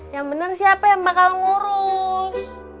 yang bener siapa yang bakal ngurus